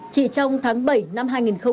chỉ trong tháng bảy năm hai nghìn hai mươi